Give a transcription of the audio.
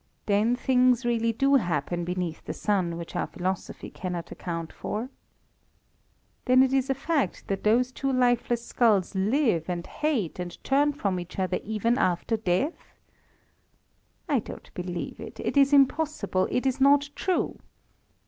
Then things really do happen beneath the sun which our philosophy cannot account for? Then it is a fact that those two lifeless skulls live and hate and turn from each other even after death? I don't believe it, it is impossible, it is not true.